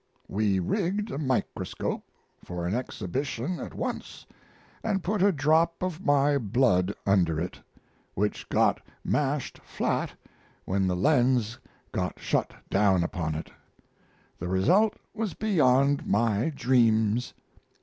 We rigged a microscope for an exhibition at once and put a drop of my blood under it, which got mashed flat when the lens got shut down upon it. The result was beyond my dreams.